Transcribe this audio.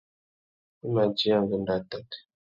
I mà djï angüêndô atát.